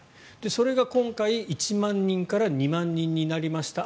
それが今回、１万人から２万人になりました。